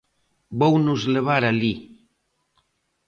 Vounos levar alí.